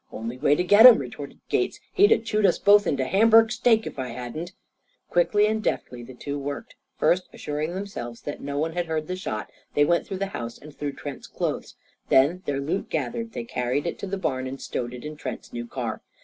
"Only way to get him!" retorted Gates. "He'd 'a' chewed us both into Hamburg steak if I hadn't." Quickly and deftly the two worked. First assuring themselves that no one had heard the shot, they went through the house and through Trent's clothes. Then, their loot gathered, they carried it to the barn and stowed it in Trent's new car.